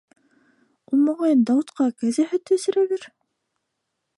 Ул, моғайын, Дауытҡа кәзә һөтө эсерәлер...